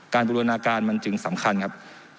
บูรณาการมันจึงสำคัญครับ